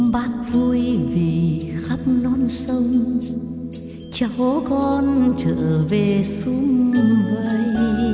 bác vui vì khắp non sông cháu con trở về xuống bầy